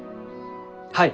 はい。